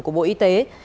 của bộ y tế